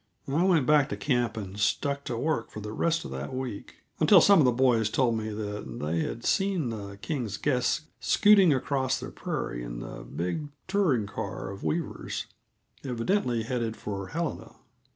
I went back to camp and stuck to work for the rest of that week until some of the boys told me that they had seen the Kings' guests scooting across the prairie in the big touring car of Weaver's, evidently headed for Helena.